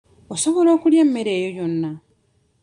Osobola okulya emmere eyo yonna?